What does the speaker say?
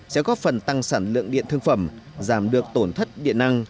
sẽ góp phần tăng sản lượng điện thương phẩm giảm được tổn thất điện năng